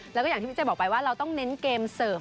แล้วก็อย่างที่พี่ใจบอกไปว่าเราต้องเน้นเกมเสิร์ฟ